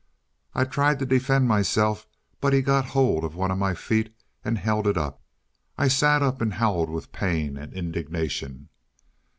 I tried to defend myself, but he got hold of one of my feet, and held it up. I sat up, and howled with pain and indignation.